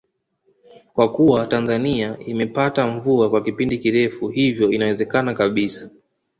Kwa kuwa Tanzania imepata mvua kwa kipindi kirefu hivyo inawezekana kabisa